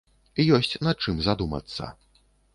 Ёсць над чым задумацца.